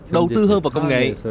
đầu tư hơn vào công nghệ